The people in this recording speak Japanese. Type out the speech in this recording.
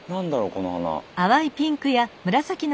この花。